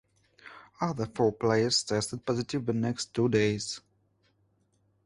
Other four players tested positive the next two days.